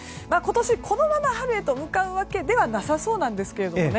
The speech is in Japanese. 今年このまま春へ向かうわけではなさそうなんですね。